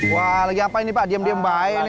wah lagi apa ini pak diem diem baik